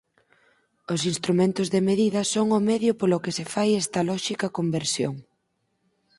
Os instrumentos de medida son o medio polo que se fai esta lóxica conversión.